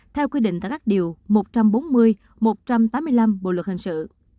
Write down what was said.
theo quy định tại các điều một trăm bốn mươi một trăm tám mươi năm bộ luật hình sự